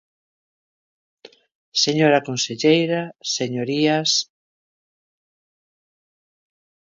Señora conselleira, señorías.